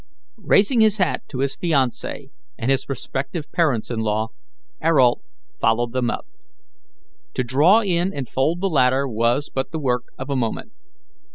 Raising his hat to his fiancee and his prospective parents in law, Ayrault followed them up. To draw in and fold the ladder was but the work of a moment.